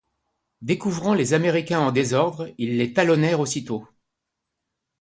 Découvrant les Américains en désordre, ils les talonnèrent aussitôt.